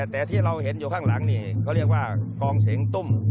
แต่ที่เราเห็นอยู่ข้างหลังนี่เขาเรียกว่ากองเสียงตุ้ม